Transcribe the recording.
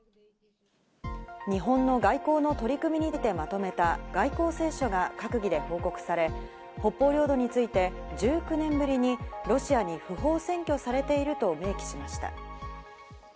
日本の外交の取り組みについてまとめた外交青書が閣議で報告され、北方領土について１９年ぶりにロシアに不法占拠されていると明記しました。